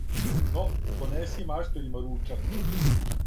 "Но понеси мајсторима ручак."